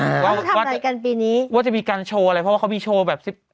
อ่าว่าว่าจะว่าจะทำอะไรกันปีนี้ว่าจะมีการโชว์อะไรเพราะว่าเขามีโชว์แบบสิบ